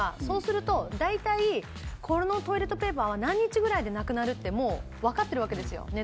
そうするとだいたいこのトイレットペーパーは何日ぐらいでなくなるってわかってるわけですよ